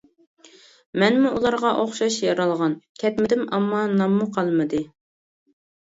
مەنمۇ ئۇلارغا ئوخشاش يارالغان، كەتمىدىم ئەمما ناممۇ قالمىدى.